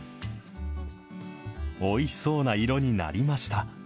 おいしそうな色になりました。